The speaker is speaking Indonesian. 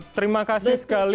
terima kasih sekali